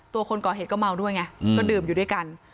คนก่อเหตุก็เมาด้วยไงก็ดื่มอยู่ด้วยกัน